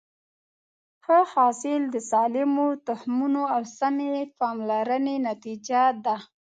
ښه حاصل د سالمو تخمونو او سمې پاملرنې نتیجه ده.